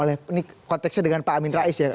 oleh konteksnya dengan pak amin rais ya